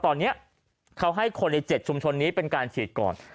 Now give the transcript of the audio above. ตอนนี้เขาให้คนใน๗ชุมชนนี้เป็นการฉีดก่อน